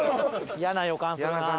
イヤな予感するな。